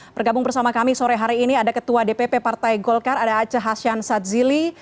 bergabung bersama kami sore hari ini ada ketua dpp partai golkar ada aceh hashan sadzili